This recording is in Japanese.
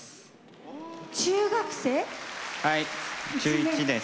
中１です。